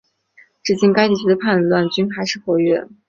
至今该地区的叛乱军还是活跃。